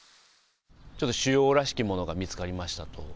ちょっと腫瘍らしきものが見つかりましたと。